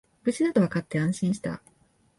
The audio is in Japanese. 無事だとわかって安心した